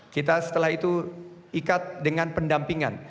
kita setelah itu ikat dengan pendampingan